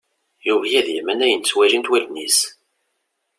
Yugi ad yamen ayen ttwalint wallen-is.